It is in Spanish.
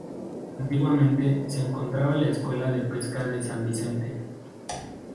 Antiguamente se encontraba la Escuela de Pesca de San Vicente.